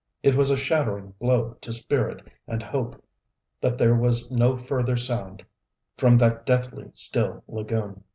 It was a shattering blow to spirit and hope that there was no further sound from that deathly still lagoon.